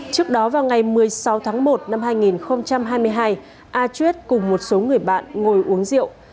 trước đó vào ngày một mươi sáu tháng một năm hai nghìn hai mươi hai a chuyết cùng một số người bạn ngồi uống rượu